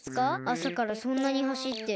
あさからそんなにはしって。